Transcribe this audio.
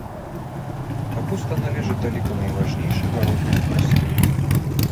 Капуста належыць да ліку найважнейшых гароднінных раслін.